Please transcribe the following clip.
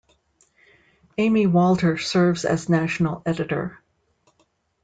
Amy Walter serves as national editor.